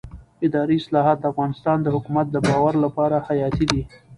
اداري اصلاحات د افغانستان د حکومت د باور لپاره حیاتي دي